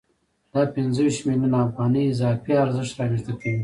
دا پنځه ویشت میلیونه افغانۍ اضافي ارزښت رامنځته کوي